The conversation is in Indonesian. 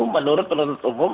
menurut penuntut umum